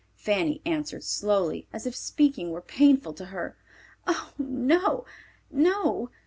Fanny answered slowly, as if speaking were painful to her, "Oh, no, no!